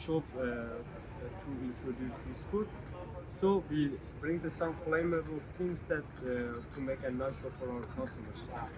jadi kami membawa beberapa hal yang bisa diperbaiki untuk membuat perusahaan yang natural untuk pengunjung kita